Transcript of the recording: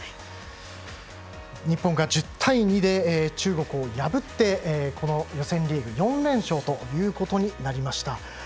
日本が１０対２で中国を破って予選リーグ４連勝となりました。